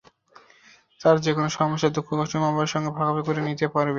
তার যেকোনো সমস্যা, দুঃখ, কষ্ট মা–বাবার সঙ্গে ভাগাভাগি করে নিতে পারে।